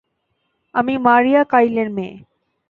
আমি মারিয়া কাইলের মেয়ে।